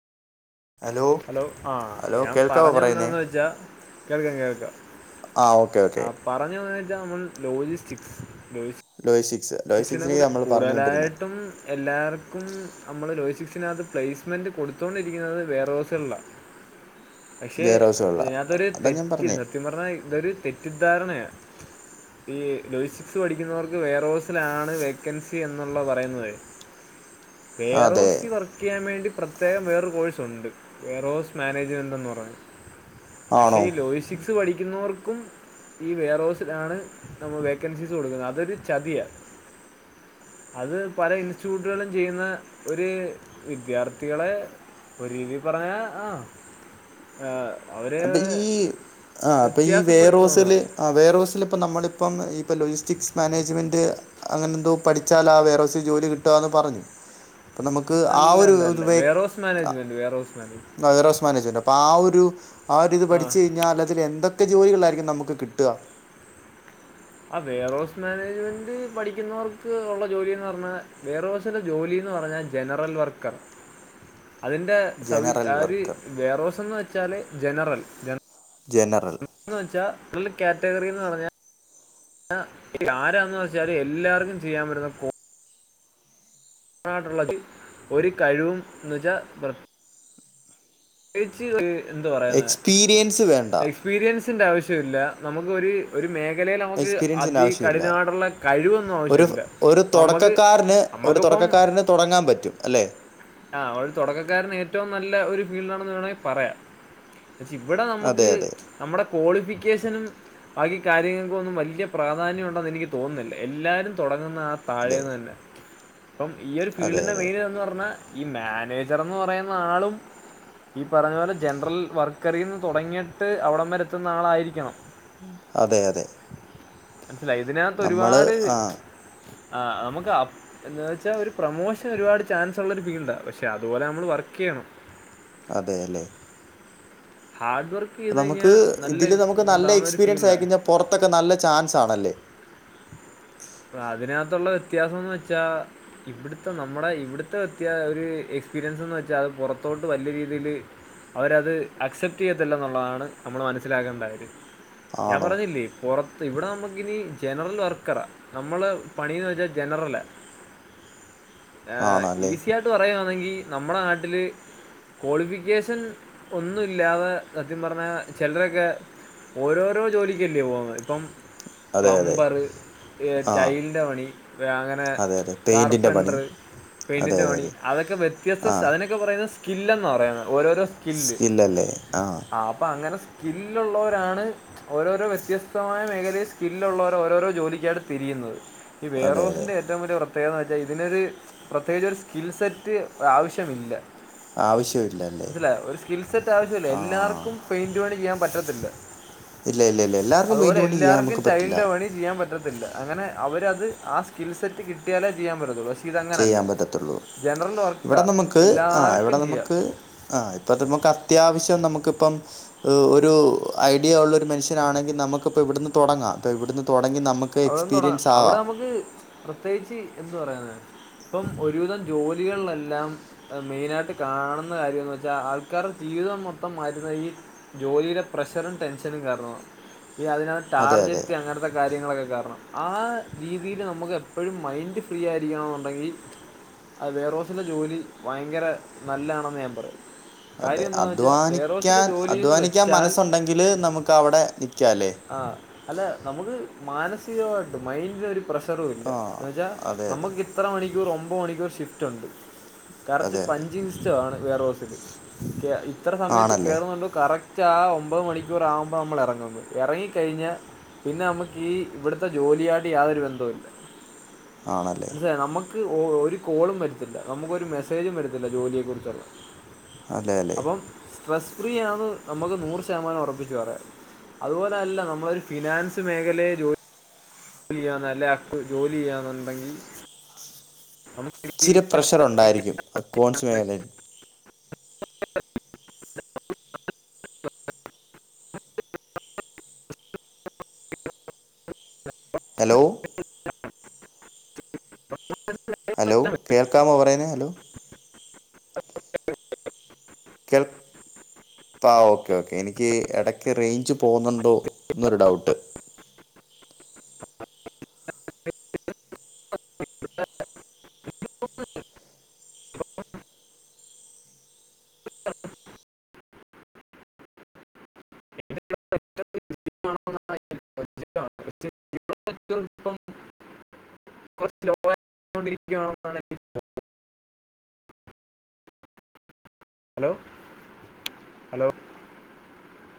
Hello ആഹ് hello ഞാൻ കേൾക്കാവോ പറഞ്ഞ് പറയുന്നേ വന്നത് വെച്ചാ കേൾക്കാ കേൾക്ക ആ ഓക്കെ ഓക്കെ ആഹ് പറഞ്ഞ് വന്നത്ച്ചാ നമ്മ ലോജിസ്റ്റിക്സ് ലൊയിസി സിനെ കുറി കൂടുതലായിട്ടും എല്ലാർ ഞമ്മള് ലോയ് സിക്സിനകത്ത് പ്ലേസ്മെന്റ് കൊടുത്തോണ്ടിരിക്ക്ന്നത് വേറോസ്ള്ള ഉം പഷെ ഇതിനകത്തൊരു തെറ്റ് സത്യം പറഞ്ഞ ഇതൊരു തെറ്റ് തെറ്റിദ്ധാരണയ ഈ ലോജിറ്റിക്സ് പഠിക്കുന്നവർക്ക് വേറോസ് ത്തിലാണ് വേക്കൻസി എന്നുള്ള പറയുന്നതെ അതെ പേറോസി വർക്ക് ചെയ്യാൻ വേണ്ടി പ്ര പ്രത്യേകം വേറ കോഴ്സ് ഉണ്ട് വേറ ഹോസ് മാനേജ്മെൻറ്ന്ന് പറഞ്ഞു. പക്ഷെ ആണോ ഈ ലോയിസ്റ്റിക്സ് പഠിക്കുന്നവർക്ക്. ക്കും ഈ വേർഹൗസിലാണ് നമ്മൾ വേക്കൻസീസ് കൊടുക്കുന്നത് അതൊരു ചതിയ. അത് പല ഇൻസ്റ്റിറ്റ്യൂട്ടുകളും ചെയ്യുന്ന ഒരു വിദ്യാർഥികളെ. ഒരു രീതി പറഞ്ഞ ആ ഏ അവര്. അപ്പം ഈ ആ അപ്പൊ ഈ വേറോസില് ആ വേറോസിൽ ഇപ്പ നമ്മളിപ്പം ഇ ഇപ്പൊ ലോജിസ്റ്റിക്സ് മാനേജ്മെന്റ് അങ്ങനെന്തോ പഠിച്ചാല ആ വേറെ ഒരു ജോലി കിട്ടാന്ന് പറഞ്ഞു. അപ്പം നമുക്ക് ആ അല്ല ഒരു അല്ല അല്ല വെയർഹൗസ് ഇത്പ മാനേജ്മെൻറ്റ് വെയർഹൗസ് മാനേജ്മെൻറ്റ് നൈറ സ്മാനച്ചണ്ട് അപ്പോൾ ആ ഒരു. ആതിൽ ആ പഠിച്ചു കഴിഞ്ഞാൽ അതിൽ എന്തൊക്കെ ജോലികളായിരിക്കും. നമുക്ക് കിട്ട. ആ വേർഹൗസ് മാനേജ്മെന്റ് പഠിക്കുന്നവർക്ക് ഉള്ള ജോലിന്ന് പറഞ്ഞാ വേർഹൗസിന്റെ ജോലി. ന്ന് പറഞ്ഞൽ ജനറൽ വർക്കാ. അതിന്റെ സവി ജനറൽ ആ വർക്കർ ആതയാത് വേറോസ്ന്ന് വെച്ചാല് ജനറൽ ജനറൽ. ജനറൽ. ന്ന് വെച്ചാൽ കാറ്റഗറിന്ന് പറഞ്ഞാൽ. ആരാന്ന് വെച്ചാല് എല്ലാർക്കും ചെയ്യാൻ വരുന്ന കോ ള്ള ഒരു കഴിവും എന്നച പ്രേ ച്ച് എന്താ പറയുന്നെ എക്സ്പീരിയൻസ് വേണ്ട എക്സ്പീരിയൻസിന്റെ ആവശ്യ മില്ല നമുക്കൊരു ഒരു മേഖ മേഖലൽ നമുക്ക് എക്സ്പീരിയൻസിൻ്റെ അതി ആവശ്യമില്ല കഠിനാടുള്ള കഴിവൊന്നും ഒരു ആവശ്യമില്ല അ നമക്ക് നമക്കിപ്പോ. തുടക്കാര്ന്ന് തുടങ്ങാൻ പറ്റും അല്ലെ. ആ അവ തുടക്കക്കാരന് ഏറ്റവും നല്ല ഒരു. ഫീൽഡആണെന്ന് വേണമെങ്കിൽ പറയാം പക്ഷെ ഇവിടെ അതെ നമുക്ക് അതെ നമ്മുടെ ക്വാളിഫിക്കേഷനും. ബാക്കി കാര്യങ്ങൾക്കൊന്നും വലിയ പ്രാധാന്യം ഉണ്ടെന്ന് എനിക്ക് തോന്നുന്നില്ല എല്ലാരും. തുടങ്ങുന്ന ആ അതെ താഴേന്ന് തന്നെ അപ്പം ഈ ഒരു അതെ ഫീൽഡിന്റെ അതെ മെയിൻ ഇതന്ന് പറഞ്ഞാൽ. ഈ മാനേജർന്ന് പറയുന്ന ആളും. ഈ പറഞ്ഞപോലെ ജനറൽ വർക്കറിന്ന് തുടങ്ങിയിട്ട് അവിടംവരെഎത്തുന്ന ആളായിരിക്കണം. അതെ അതെ മനസിലായി ഇതിനകത്ത് നമ്മൾ ഒരുപാട് ആ ച്ച്. ആ നമുക്ക് എന്ന് വെച്ചാൽ ഒരു പ്രൊമോഷൻ ഒരുപാട് ചാൻസ് ഉള്ള ഒരു ഫീണ്ടാ പക്ഷെ അതുപോലെ നമ്മൾ വർക്ക് ചെയ്യ ണം. അതെ അല്ലെ. ഹാർഡ് വർക്ക് ചെയ്ത് നമുക്ക് കഴിഞ്ഞാൽ നല്ല ഇതില് നമുക്ക് നല്ല ഇതുണ്ടാവുന്ന ഒരു എക്സ്പീരിയൻസ് ഫീൽഡാണ് ആയിക്കഴിഞ്ഞാൽ പുറത്തൊക്കെ നല്ല ചാൻസ് ആണല്ലേ? അതിനകത്തുള്ള വ്യത്യാസംന്ന് വെച്ചാ ഇവിടുത്തെ നമ്മുടെ ഇവിടുത്തെ വ്യത്യാഏ ഒര് എക്സ്പീരിയൻസ് വച്ചാൽ പുറത്തോട്ട് വല്ല്യ രീതിയിൽ. അവരത് ആക്സെപ്റ്റ് ചെയ്യത്തില്ല എന്നുള്ളതാണ് നമ്മൾ മനസ്സിലാക്കേണ്ടാകാര്യം. ഞാൻ ആണോ പറഞ്ഞില്ലേ പുറത്ത് ഇവിടെ നമ്മക്ക്ഇനി ജനറൽ വർക്കറാ നമ്മള് പണിന്ന് വെച്ചാ ജനറല. ആണല്ലേ ഈസി ആയിട്ട് പറയാണെങ്കിൽ നമ്മുടെ നാട്ടില്. ക്വാളിഫിക്കേഷൻ ഒന്നുമില്ലാതെ സത്യം പറഞ്ഞാ ചിലരൊക്കെ. ഓരോരോ ജോലിക്കല്ലേ പോന്നെ ഇപ്പം അതെ അതെ പ്ലംബർ. ആ ടൈലിന്റെ പണി അങ്ങനെ അതെ അതെ പെയിൻറ്റിൻ്റെ പണി കാർപെൻറ്ററ്. അതെ അതെ പെയ്നിന്റെപണി അതെ അതൊക്കെ വ്യത്യസ്ഥ ആ സ അതിനൊക്കെ പറയുന്നത് സ്കില്ലന്ന. ഓരോരോ സ്കില്ല് ആ അപ്പൊ അങ്ങനെ സ് സ്കില്ലുള്ളവരാണ് ഓരോരോ വ്യത്യസ്തമായ മേഖലയിൽ സ്കില്ലുള്ളവരെ ഓരോരോ ജോലിക്ക അടുത്ത്. തിരിയുന്നത് ഈ അതെ അതെ വേർഹോസിന്റെ ഏറ്റവും വലിയ പ്ര പ്രത്യേകെന്ന് വെച്ചാൽ ഇതിനൊരു പ്രത്യേകിച്ച്ഒരു സ്കിൽ സെറ്റ് ആവശ്യമില്ല. ആവശ്യമില്ലല്ലേ മനസ്സിലയോ ഒരു സ്കിൽ സെറ്റ് ആവശ്യല്ല ആ എല്ലാർക്കും പെയിന്റ് പണി ചെയ്യാൻ പറ്റ ത്തില്ല ഇല്ല ഇല്ല ഇല്ല എല്ലാവർക്കും അതുപോലെ പെയിൻറ് പണി ചെയ്യാൻ എല്ലർക്കും നമുക്ക് പറ്റില്ല തൈലിന്റെ പണി ചെയ്യാൻ പറ്റത്തില്ല. അങ്ങനെ അവരത് ആ സ്കിൽ സെറ്റ് കിട്ടിയാലേ ചെയ്യാൻ പറ്റ തെള്ളു പ ചെയ്യാൻ പറ്റത്തുള്ളൂ ഇവിടെ വർക്കാ നമുക്ക് ആ ഇവിടെ എല്ലാവർക്കും ചെയ്യാം നമുക്ക് ആ ഇപ്പൊ നമുക്ക് അത്യാവശ്യം നമുക്ക് ഇപ്പം ഒരു ഐഡിയ ഉള്ള ഒരു മനുഷ്യനാണെങ്കിൽ നമുക്കിപ്പോ ഇവിടുന്ന് തുടങ്ങാം ഇവിടുന്ന് തുടങ്ങി നമുക്ക് അവിടെന്ന് തുടങ്ങാം എക്സ്പീരിയൻസ് അവിടെ ആകാം നമുക്ക് പ്രത്യേകിച്ച് എന്ത് പറയാന ഇപ്പം ഒരുവിധം ജോലി ലികളിലെല്ലാം മെയിനായിട്ട് കാണുന്ന കാര്യംന്നെച്ചാൽ ആൾക്കാരുടെ ജീവിതം മൊത്തം മാറ്റുന്ന ഈ ജോലിയിലെ പ്രഷറും ടെൻഷനും കാരണാ ഇ അതിനകത്ത് അതെ അതെ ടാർജറ്റ് അങ്ങനത്തെ കാര്യങ്ങളൊക്കെ കാരണം ആ രീതിയില് നമുക്ക് എപ്പോഴും മൈൻഡ് ഫ്രീ ആയിരിക്കണംന്നുണ്ടെങ്കി അത് വേയറോസിലെ ജോലി ഭയങ്കര നല്ലാണെന്ന് ഞാൻ പറയും അതെ കാര്യം എന്താണെന്ന് വെച്ചാൽ വെയർഹൗസിലെ അധ്വാനിക്കാൻ ജോലി എന്ന് അധ്വാനിക്കാൻ വെച്ചാൽ മനസ്സുണ്ടെങ്കില് നമുക്ക് അവിടെ നി ആ അല്ല നമുക്ക് മാനസികമായിട്ട് മൈന്റിന് ഒര് പ്രഷറുല്ല ആ എന്തെച്ചാൽ അതെ അതെ നമുക്ക് ഇത്ര മണിക്കൂർ ഒമ്പത് മണിക്കൂർ ഷിഫ്റ്റ് ഉണ്ട് അതെ കറക്റ്റ് അതെ പഞ്ചിങ്ങ് സിസ്റ്റാണ് വെയറോസില് ഇത്ര സമയത്ത് ആണല്ലേ കയറുന്നുണ്ടോ കറക്റ്റ് ആ ഒമ്പത് മണിക്കൂർ ആകുമ്പോ നമ്മൾ എറങ്ങും ഇറങ്ങി കഴിഞ്ഞാ പിന്നെ നമ്മുക്ക് ഈ ഇവിടുത്തെ ജോലിയായിട്ട് യാതൊരു ബന്ധം ഇല്ല ആണല്ലേ മനസ്സിലായോ നമുക്ക് ഒരു കോളും വരത്തില്ല നമുക്കൊരു മെസ്സേജും വരത്തില്ല ജോലിയെ കുറിച്ചുള്ള അതേലേ സ്ട്രെസ്സ് ഫ്രീ ആണ് നമ്മക്ക് നൂറ് ശതമാനം ഉറപ്പിച്ച് പറയാം അതുപോല്ലല്ല നമ്മളൊരു ഫിനാൻസ് മേഖലയെ ജോലി ജോലി ചെയ്യാന്ന് ല്ലേ അ [unintelligible] ജോലി ചെയ്യന്നുണ്ടെങ്കി ഇച്ചിരി പ്രഷർ ഉണ്ടായിരിക്കും അക്കോണ്ട്സ് മേഖലയിൽ [unintelligible] ഹലോ [inaudible] ഹലോ കേൾക്കാമോ പറയുന്നേ ഹലോ കേൾ ആ ഓക്കേ ഓക്കേ എനിക്ക് ഇടക്ക് റേഞ്ച് പോകുന്നുണ്ടോ എന്നൊരു ഡൗട്ട് [inaudible] [inaudible] [inaudible] [inaudible] പ്പം [inaudible] ഹലോ ഹലോ